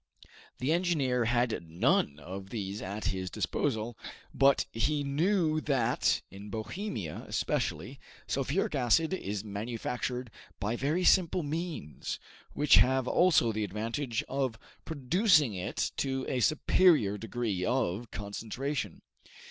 The engineer had none of these at his disposal, but he knew that, in Bohemia especially, sulphuric acid is manufactured by very simple means, which have also the advantage of producing it to a superior degree of concentration.